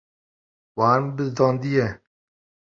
Wan bizdandiye.